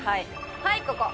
はいここ。